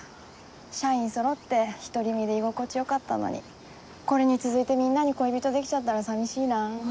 社員そろって独り身で居心地よかったのにこれに続いてみんなに恋人できちゃったらさみしいな。